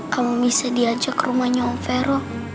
kamu bisa diajak ke rumahnya om vero